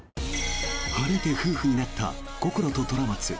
晴れて夫婦になったこころと虎松。